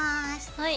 はい。